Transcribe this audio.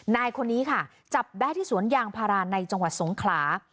นายคนนี้ค่ะจับได้ที่สวนยางพาราในจังหวัดสงขลา